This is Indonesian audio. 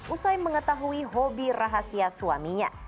usai mengetahui hobi rahasia suaminya